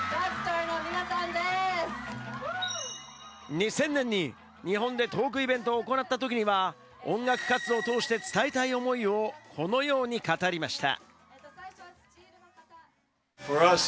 ２０００年に日本でトークイベントを行ったときには、音楽活動を通して伝えたい思いを、このように語りました。